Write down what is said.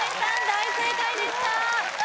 大正解でした